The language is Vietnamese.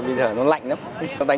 mày đừng có làm cái trò đấy